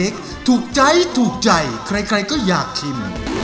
ผลิตภัณฑ์เอลเซเลเยอร์เค้กถูกใจถูกใจใครก็อยากชิม